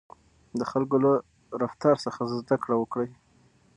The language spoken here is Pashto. د خلکو له رفتار څخه زده کړه وکړئ.